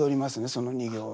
その２行は。